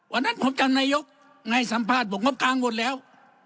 วันนั้นผมจำนายกให้สัมภาษณ์บอกงบกลางหมดแล้ว